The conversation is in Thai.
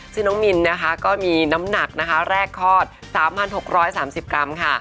ชื่อน้องมิลนะคะก็มีน้ำหนักแรกข้อ๓๖๓๐กรัมค่ะ